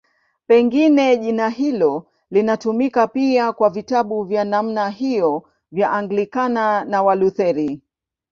Pengine jina hilo linatumika pia kwa vitabu vya namna hiyo vya Anglikana na Walutheri.